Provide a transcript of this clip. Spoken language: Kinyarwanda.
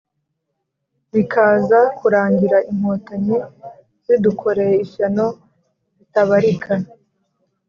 bikaza kurangira Inkotanyi zidukoreye ishyano ritabarika,